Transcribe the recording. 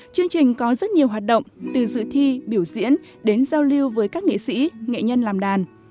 chương trình có rất nhiều hoạt động từ dự thi biểu diễn đến giao lưu với các nghệ sĩ nghệ nhân làm đàn